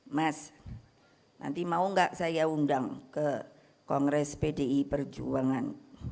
mas nanti mau nggak saya undang ke kongres pdi perjuangan